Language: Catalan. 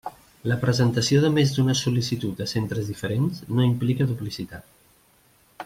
La presentació de més d'una sol·licitud a centres diferents no implica duplicitat.